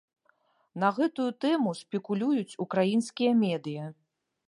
На гэтую тэму спекулююць украінскія медыя.